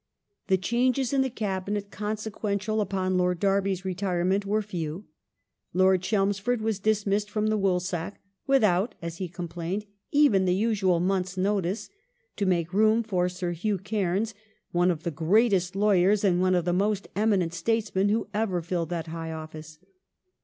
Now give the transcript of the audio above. The changes in the Cabinet conse quential upon Lord Derby's retirement were few. Lord Chelmsford was dismissed from the Woolsack " without," as he complained, " even the usual month's notice," to make room for Sir Hugh Cairns, one of the greatest lawyers, and one of the most eminent statesmen, who ever filled that high office.